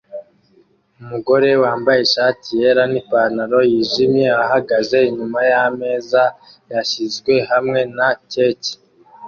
Umugore wambaye ishati yera nipantaro yijimye ahagaze inyuma yameza yashyizwe hamwe na keke